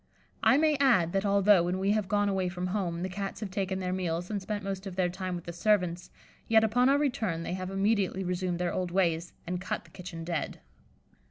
I may add, that although, when we have gone away from home, the Cats have taken their meals and spent most of their time with the servants, yet upon our return they have immediately resumed their old ways, and cut the kitchen dead.